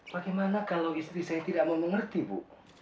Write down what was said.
bagaimana kalau istri saya tidak mau mengerti bu